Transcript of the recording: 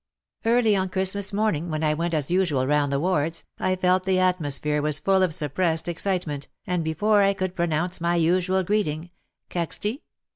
Early on Xmas morning, when I went as usual round the wards, I felt the atmosphere was full of a suppressed excitement, and before I could pronounce my usual greeting " Kak ste